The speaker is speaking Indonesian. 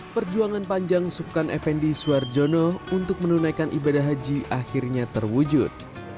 perjuangan panjang subkan effendi suarjono untuk menunaikan ibadah haji akhirnya terwujud